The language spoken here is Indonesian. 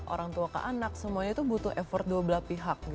orang tua ke anak semuanya itu butuh effort dua belah pihak